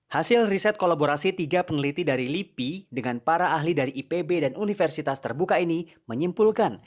hasil riset kolaborasi tiga peneliti dari lipi dengan para ahli dari ipb dan universitas terbuka ini menyimpulkan